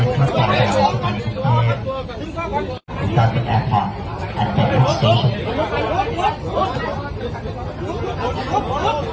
ปรับทราบ